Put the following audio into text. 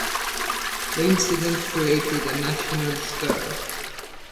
The incident created a national stir.